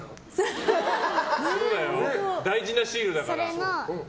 大事なシールだから。